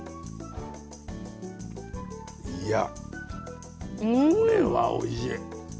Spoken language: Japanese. いやこれはおいしい。